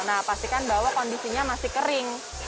nah pastikan bahwa kondisinya masih kering